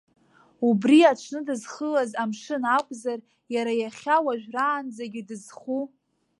Убри аҽны дызхылаз амшын акәзар иара иахьа уажәраанӡагьы дызху?